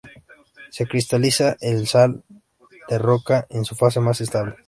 Se cristaliza en sal de roca en su fase más estable.